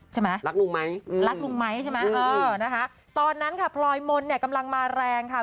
ใช่ไหมรักลุงไหมรักลุงไหมใช่ไหมเออนะคะตอนนั้นค่ะพลอยมนต์เนี่ยกำลังมาแรงค่ะ